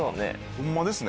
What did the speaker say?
ホンマですね